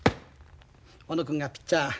小野君がピッチャー